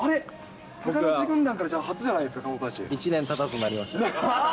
高梨軍団からじゃあ、初じゃないですか、１年たたずになりました。